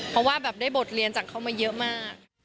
เพราะว่าแบบได้บทเรียนจากเขามาเยอะมาก